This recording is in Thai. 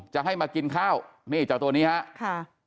จะให้มากินข้าวนี่เจ้าตัวนี้ครับ